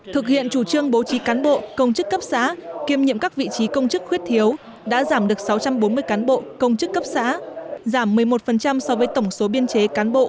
thực hiện chủ trương bố trí cán bộ công chức cấp xã kiêm nhiệm các vị trí công chức khuyết thiếu đã giảm được sáu trăm bốn mươi cán bộ công chức cấp xã giảm một mươi một so với tổng số biên chế cán bộ